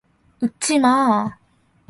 웃지 마!